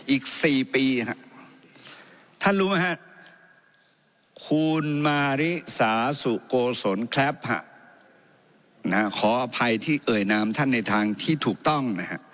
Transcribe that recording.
อีก๔ปีท่านรู้ไหมฮะคุณมาริสาสุโกศลแคลปะขออภัยที่เอ่ยนามท่านในทางที่ถูกต้องนะฮะ